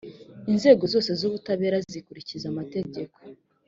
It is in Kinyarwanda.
inzego zose zubutabera zikurikiza amategeko